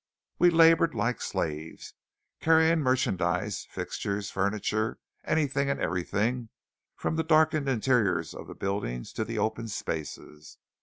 We laboured like slaves, carrying merchandise, fixtures, furniture, anything and everything from the darkened interiors of buildings to the open spaces.